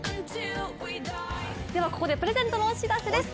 ここでプレゼントのお知らせです。